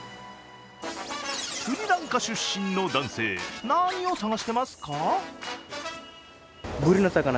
スリランカ出身の男性何を探してますか？